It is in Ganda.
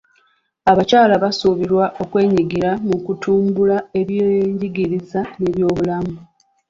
Abakyala basuubirwa okwenyigira mu kutumbula ebyenjigiriza n'ebyobulamu.